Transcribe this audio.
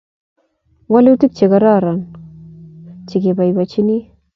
walutik chekororon ke boiboienchini